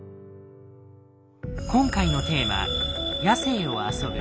今回のテーマ「野性を遊ぶ」。